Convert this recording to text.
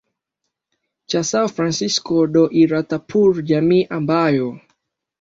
cha Sao Francisco do Iratapuru jamii ambayo